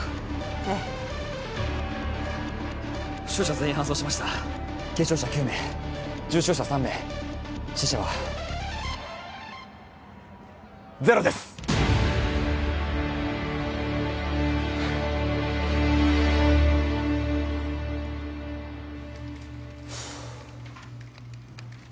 ええ負傷者全員搬送しました軽傷者９名重傷者３名死者はゼロですふーっ